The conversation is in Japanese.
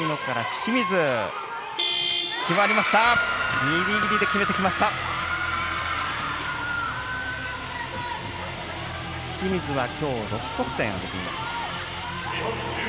清水は今日６得点挙げています。